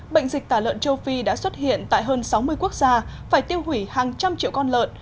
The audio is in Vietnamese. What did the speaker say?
bệnh dịch tả lợn châu phi đã xuất hiện tại hơn sáu mươi quốc gia phải tiêu hủy hàng trăm triệu con lợn